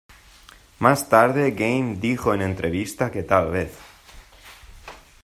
Más tarde Game dijo en entrevista que "tal vez".